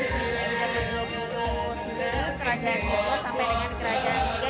kerajaan kedua sampai dengan kerajaan ketiga